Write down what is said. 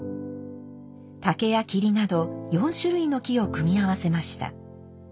竹や桐など４種類の木を組み合わせました。